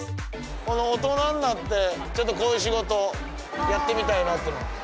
大人になってちょっとこういう仕事やってみたいなっていうのは？